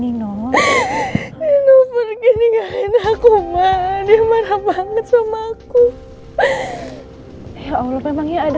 nino ma kenapa ada apa sama nino aku mah dia marah banget sama aku ya allah memangnya ada